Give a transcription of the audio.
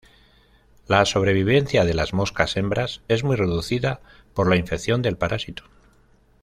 La sobrevivencia de las moscas hembras es muy reducida por la infección del parásito.